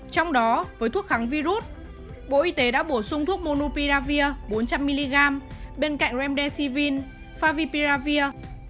trong đó với thuốc kháng virus bộ y tế đã bổ sung thuốc monupiravir bốn trăm linh mg bên cạnh remdesivin favipiravir